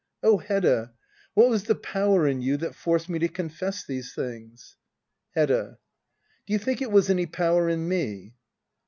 Oh, Hedda — what was the power in you that forced me to confess these things ? Hedda. Do you think it was any power in me